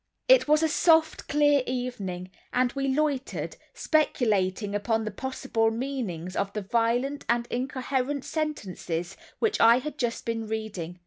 It was a soft clear evening, and we loitered, speculating upon the possible meanings of the violent and incoherent sentences which I had just been reading.